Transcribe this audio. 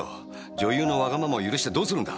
女優のわがままを許してどうするんだ！